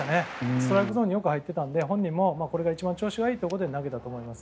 ストライクゾーンによく入っていたので本人もこれが一番調子が良かったんだと思います。